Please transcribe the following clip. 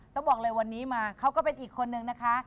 ต้องบอกเลยวันนี้มาเขาก็เป็นอีกคนนึงนะคะ